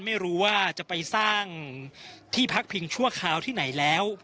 ไม่รู้ว่าจะไปสร้างที่พักพิงชั่วคราวที่ไหนแล้ว